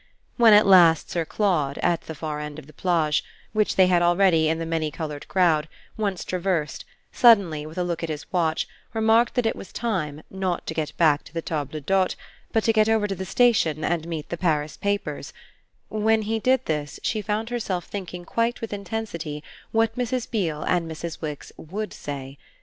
When at last Sir Claude, at the far end of the plage, which they had already, in the many coloured crowd, once traversed, suddenly, with a look at his watch, remarked that it was time, not to get back to the table d'hôte, but to get over to the station and meet the Paris papers when he did this she found herself thinking quite with intensity what Mrs. Beale and Mrs. Wix WOULD say.